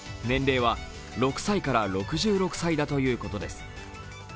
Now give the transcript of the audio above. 年齢は６歳から６６歳だということです。